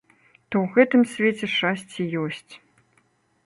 То ў гэтым свеце шчасце есць.